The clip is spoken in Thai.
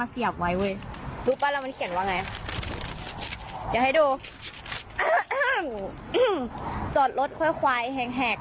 เเบื่อให้ดูจอดรถควายควายแหงแห่ง